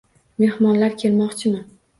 Mehmonlar kelmoqchimi?